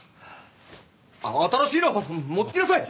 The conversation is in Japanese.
新しいの持ってきなさい！